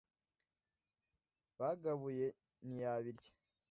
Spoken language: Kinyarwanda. Bagabuye ntiyabilya